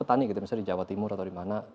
petani gitu misalnya di jawa timur atau di mana